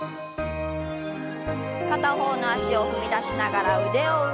片方の脚を踏み出しながら腕を上。